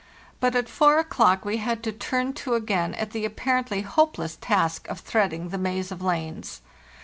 But at 4 o'clock we had to turn to again at the apparently hopeless task of threading the maze of lanes.